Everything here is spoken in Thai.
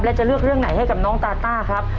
แล้วจะเลือกเรื่องไหนให้กับน้องตาต้าครับ